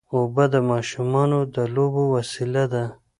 اوبه د ماشومانو د لوبو وسیله ده.